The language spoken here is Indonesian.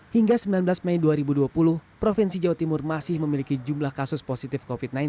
hingga sembilan belas mei dua ribu dua puluh provinsi jawa timur masih memiliki jumlah kasus positif covid sembilan belas